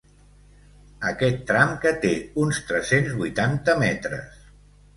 Aquest tram que té uns tres-cents vuitanta metres.